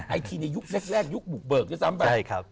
ไอทีในยุคแรกยุคบุกเบิกด้วยซ้ำไป